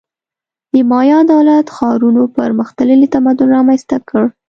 د مایا دولت-ښارونو پرمختللی تمدن رامنځته کړ.